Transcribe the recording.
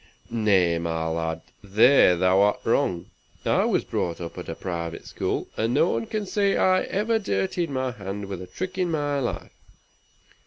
"Nay, my lad, there thou'rt wrong. I was brought up at a private school, and no one can say I ever dirtied my hands with a trick in my life.